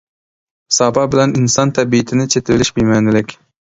ساپا بىلەن ئىنسان تەبىئىتىنى چېتىۋېلىش بىمەنىلىك.